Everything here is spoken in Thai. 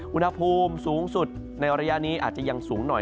อุณหภูมิสูงสุดในระยะนี้อาจจะยังสูงหน่อย